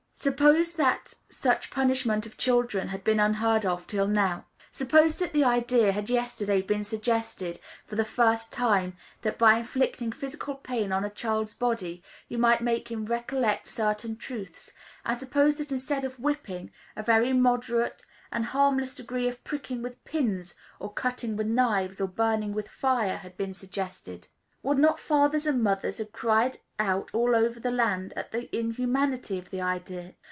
Suppose that such punishment of children had been unheard of till now. Suppose that the idea had yesterday been suggested for the first time that by inflicting physical pain on a child's body you might make him recollect certain truths; and suppose that instead of whipping, a very moderate and harmless degree of pricking with pins or cutting with knives or burning with fire had been suggested. Would not fathers and mothers have cried out all over the land at the inhumanity of the idea?